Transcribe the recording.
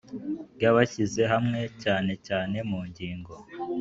Ry abishyize hamwe cyane cyane mu ngingo